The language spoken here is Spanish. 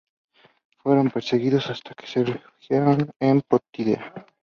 Fueron perseguidos hasta que se refugiaron en Potidea.